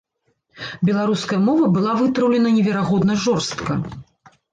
Беларуская мова была вытраўлена неверагодна жорстка.